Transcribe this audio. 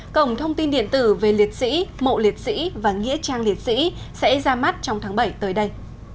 cổng thông tin điện tử về liệt sĩ mộ liệt sĩ và nghĩa trang liệt sĩ sẽ ra mắt trong tháng bảy tới đây